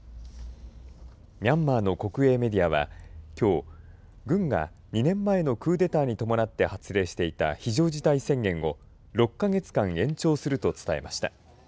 ミャンマーの国営メディアはきょう軍が２年前のクーデターに伴って発令していた非常事態宣言を６か月間延長すると伝えました。